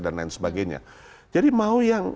dan lain sebagainya jadi mau yang